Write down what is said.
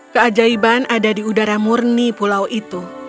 keajaiban ada di udara murni pulau itu